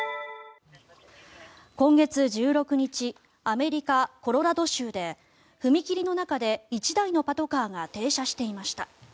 今月１６日アメリカ・コロラド州で踏切の中で１台のパトカーが停車していました。